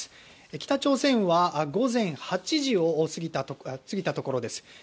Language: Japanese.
北朝鮮は午前８時を過ぎたところです。